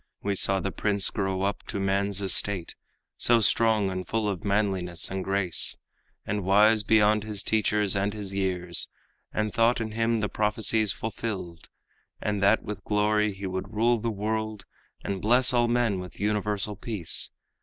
We saw the prince grow up to man's estate, So strong and full of manliness and grace, And wise beyond his teachers and his years, And thought in him the prophecies fulfilled, And that with glory he would rule the world And bless all men with universal peace.